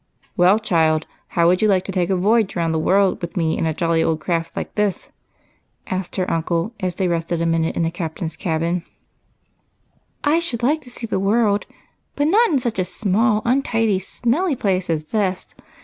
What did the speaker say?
" Well, child, how would you like to take a voyage round the world with me in a jolly old craft like 76 EIGHT COUSINS. this ?" asked her uncle, as they rested a minute in the captain's cabin. " I should like to see the world, but not in such a small, untidy, smelly place as this.